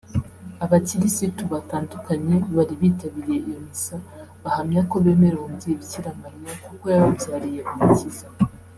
Abakirisitu batandukanye bari bitabiriye iyo misa bahamya ko bemera umubyeyi Bikira Mariya kuko yababyariye umukiza